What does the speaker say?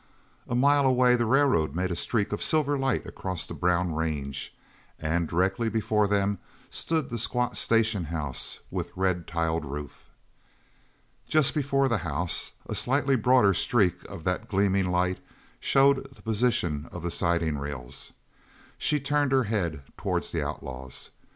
A mile away the railroad made a streak of silver light across the brown range and directly before them stood the squat station house with red tiled roof. Just before the house, a slightly broader streak of that gleaming light showed the position of the siding rails. She turned her head towards the outlaws.